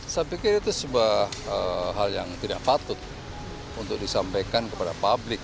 saya pikir itu sebuah hal yang tidak patut untuk disampaikan kepada publik